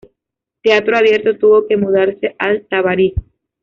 Teatro Abierto tuvo que mudarse al Tabarís.